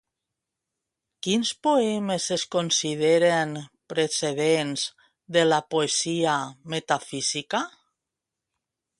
Quins poemes es consideren precedents de la poesia metafísica?